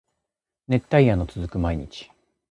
熱帯夜の続く毎日